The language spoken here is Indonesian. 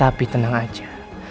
tapi tenang aja